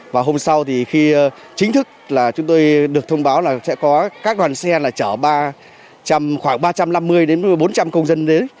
và hôm sau thì khi chính thức là chúng tôi được thông báo là sẽ có các đoàn xe là chở ba khoảng ba trăm năm mươi đến bốn trăm linh công dân đến